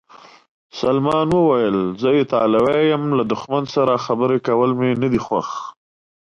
سلمان وویل: زه ایټالوی یم، له دښمن سره خبرې کول مې نه دي خوښ.